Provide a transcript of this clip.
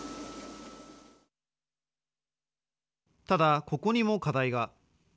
ただ、ここにも課題が。